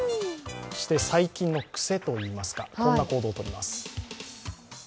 最近の癖といいますか、こんな行動をとります。